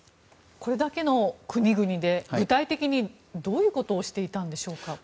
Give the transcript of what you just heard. これだけの国々で具体的にどういうことをしていたんでしょうか？